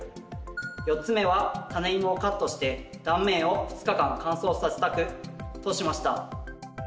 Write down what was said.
４つ目はタネイモをカットして断面を２日間乾燥させた区としました。